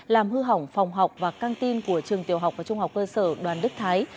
làm hư hỏng phòng học và canteen của trường tiểu học và trung học cơ sở đoàn đức thái